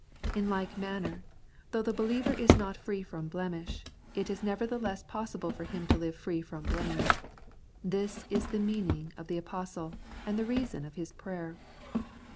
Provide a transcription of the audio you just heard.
In like manner, though the believer is not free from blemish, it is nevertheless possible for him to live free from blame. This is the meaning of the Apostle, and the reason of his prayer.